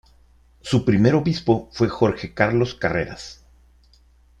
Su primer obispo fue Jorge Carlos Carreras.